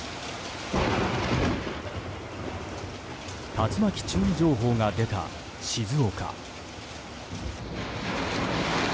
竜巻注意情報が出た静岡。